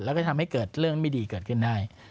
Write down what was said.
แล้วก็จะทำให้เกิดเรื่องไม่ดีเกิดขึ้นได้